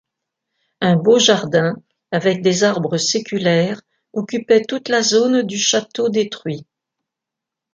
Un beau jardin avec des arbres séculaires occupait toute la zone du château détruit.